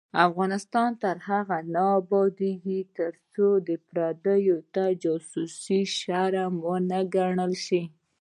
افغانستان تر هغو نه ابادیږي، ترڅو پردیو ته جاسوسي شرم ونه ګڼل شي.